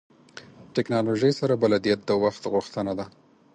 ټکنالوژۍ سره بلدیت د وخت غوښتنه ده.